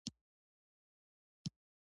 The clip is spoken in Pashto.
تیمورشاه له سیکهانو سره په نښتو لګیا وو.